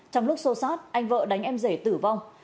trong lúc xô xát anh vợ đánh em rể tử vong